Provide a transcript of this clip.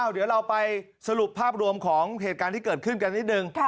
เดี๋ยวเราไปสรุปภาพรวมของเหตุการณ์ที่เกิดขึ้นกันนิดนึง